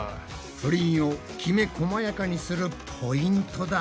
プリンをきめこまやかにするポイントだ。